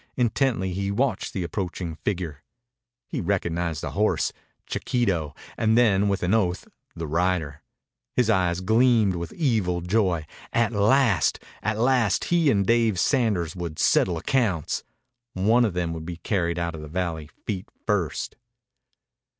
Intently he watched the approaching figure. He recognized the horse, Chiquito, and then, with an oath, the rider. His eyes gleamed with evil joy. At last! At last he and Dave Sanders would settle accounts. One of them would be carried out of the valley feet first.